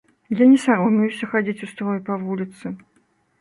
Я не саромеюся хадзіць у строі па вуліцы.